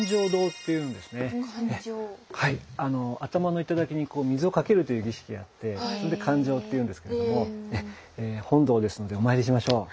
頭の頂に水をかけるという儀式があってそれで灌頂って言うんですけれども本堂ですのでお参りしましょう。